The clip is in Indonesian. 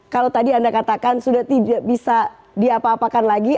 kalau tadi anda katakan sudah tidak bisa diapa apakan lagi